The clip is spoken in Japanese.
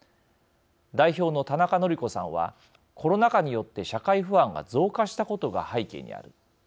代表の田中紀子さんはコロナ禍によって社会不安が増加したことが背景にある。